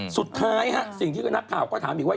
สุดท้ายสิ่งที่นักข่าวก็ถามอีกว่า